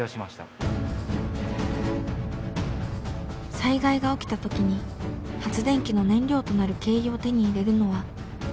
災害が起きた時に発電機の燃料となる軽油を手に入れるのは簡単ではありません。